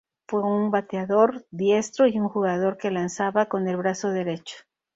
Fue un bateador diestro y un jugador que lanzaba con el brazo derecho.